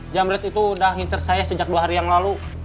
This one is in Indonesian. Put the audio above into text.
jamret itu udah nginter saya sejak dua hari yang lalu